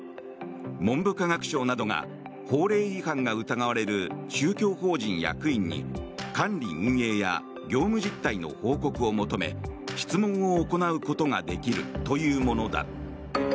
文部科学省などが法令違反が疑われる宗教法人役員に管理・運営や業務実態の報告を求め質問を行うことができるというものだ。